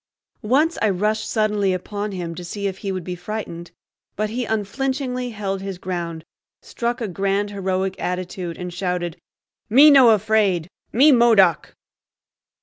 Once I rushed suddenly upon him to see if he would be frightened; but he unflinchingly held his ground, struck a grand heroic attitude, and shouted, "Me no fraid; me Modoc!"